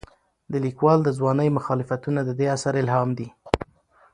د لیکوال د ځوانۍ مخالفتونه د دې اثر الهام دي.